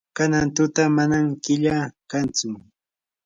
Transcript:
kanan tuta manam killa kantsu.